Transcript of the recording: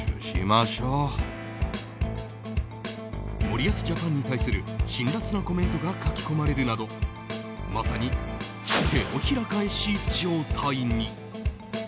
森保ジャパンに対する辛辣なコメントが書き込まれるなどまさに手のひら返し状態に。